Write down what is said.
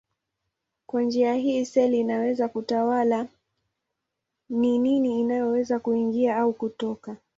Kwa njia hii seli inaweza kutawala ni nini inayoweza kuingia au kutoka.